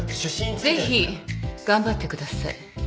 ぜひ頑張ってください。